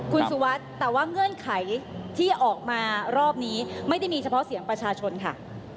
คุณสุวัสดิ์แต่ว่าเงื่อนไขที่ออกมารอบนี้ไม่ได้มีเฉพาะเสียงประชาชนค่ะ